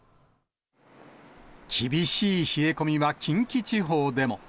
厳しい冷え込みは近畿地方でも。